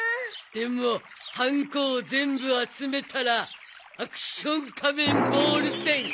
でもハンコを全部集めたらアクション仮面ボールペン！